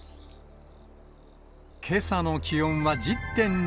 けさの気温は１０．２度。